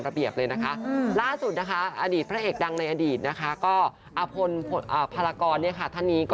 ระเบียบเลยนะคะล่าสุดนะคะอดีตพระเอกดังในอดีตนะคะก็